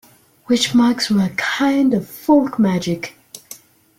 Witch marks were a kind of folk magic.